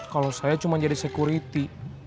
kalau saya cuma jadi security